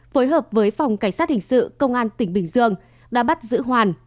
phối hợp với phòng cảnh sát hình sự công an tỉnh bình dương đã bắt giữ hoàn